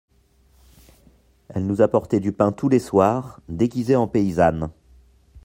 Elle nous apportait du pain tous les soirs, déguisée en paysanne.